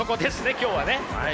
今日はね。